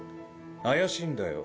怪しいんだよ。